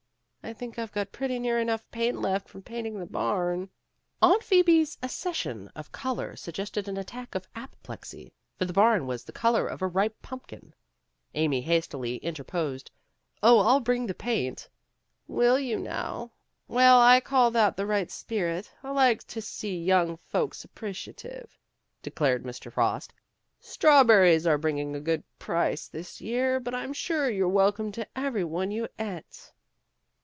'' "I think I've got pretty near enough paint left from painting the barn " Aunt Phoebe's accession of color suggested an attack of apoplexy, for the barn was the color of a ripe pumpkin. Amy hastily inter posed, "Oh, I'll bring the paint." "Will you now? Well, I call that the right spirit. I like to see young folks appreciative," declared Mr. Frost. "Strawberries are bring ing a good price this year, but I'm sure you're welcome to every one you et."